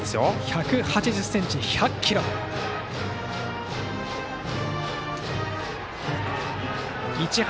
１８０ｃｍ１００ｋｇの五十嵐。